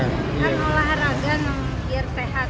karena olahraga biar sehat